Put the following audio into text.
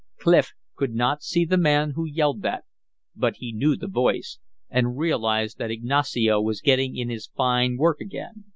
Clif could not see the man who yelled that, but he knew the voice, and realized that Ignacio was getting in his fine work again.